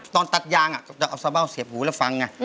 ตอนตัดยางจะเอาเสียบหูแล้วฟัง